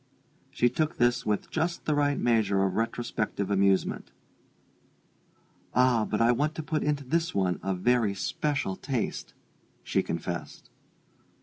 She took this with just the right measure of retrospective amusement. "Ah, but I want to put into this one a very special taste," she confessed.